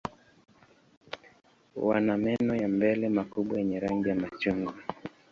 Wana meno ya mbele makubwa yenye rangi ya machungwa.